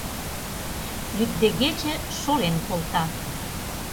Лӱддегече шолен колта